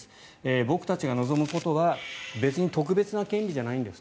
僕たちが望むことは別に特別な権利じゃないんです。